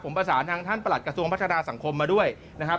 ผมประสานทางท่านประหลัดกระทรวงพัฒนาสังคมมาด้วยนะครับ